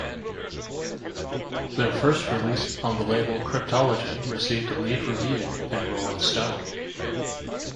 Their first release on the label, "Cryptology", received a lead review in "Rolling Stone".